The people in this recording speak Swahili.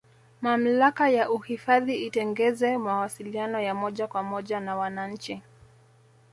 mamlaka ya uhifadhi itengeze mawasiliano ya moja kwa moja na wananchi